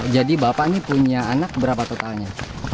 jadi bapak ini punya anak berapa totalnya